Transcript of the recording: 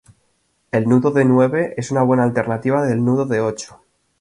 El nudo de nueve es una buena alternativa del nudo de ocho.